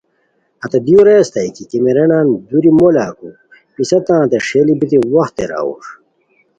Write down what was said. ہتے دیو رے اسیتائے کی کیمیریانان دوری مو لاکور، پسہ تانتے ݰئیلی بیتی وخت تیراؤر